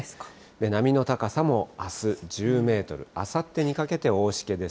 波の高さもあす１０メートル、あさってにかけて大しけです。